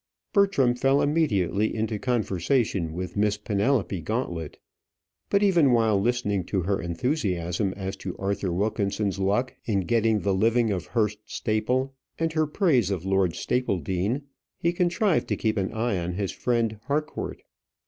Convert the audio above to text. Bertram fell immediately into conversation with Miss Penelope Gauntlet, but even while listening to her enthusiasm as to Arthur Wilkinson's luck in getting the living of Hurst Staple, and her praise of Lord Stapledean, he contrived to keep an eye on his friend Harcourt.